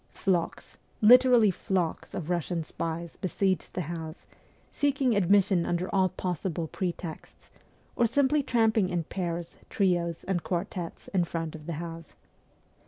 Flocks, literally flocks of Eussian spies besieged the house, seeking admission under all possible pretexts, or simply tramping in pairs, trios, and quartettes in front of the house.